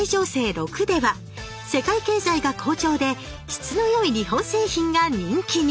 ６では「世界経済が好調で質の良い日本製品が人気に」。